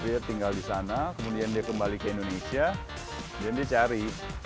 dia tinggal di sana kemudian dia kembali ke indonesia dan dia cari